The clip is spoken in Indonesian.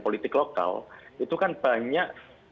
politik lokal itu kan banyak